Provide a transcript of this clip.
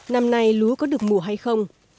năm nay lúa có được mùa hay không